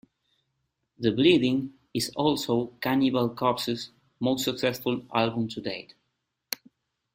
"The Bleeding" is also Cannibal Corpse's most successful album to date.